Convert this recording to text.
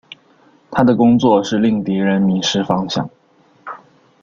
他的工作是令敌人迷失方向。